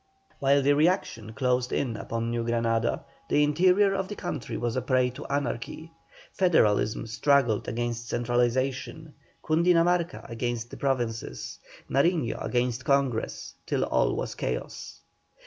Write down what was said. While the reaction closed in upon New Granada, the interior of the country was a prey to anarchy. Federalism struggled against centralization, Cundinamarca against the provinces, Nariño against Congress, till all was chaos.